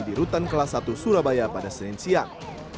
di rutan kelas satu surabaya pada senin siang